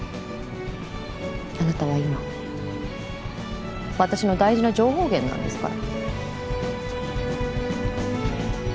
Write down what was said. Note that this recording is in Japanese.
あなたは今私の大事な情報源なんですから。